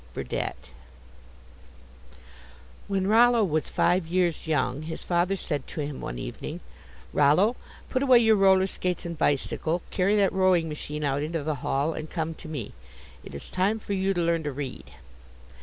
BURDETTE When Rollo was five years young, his father said to him one evening: "Rollo, put away your roller skates and bicycle, carry that rowing machine out into the hall, and come to me. It is time for you to learn to read."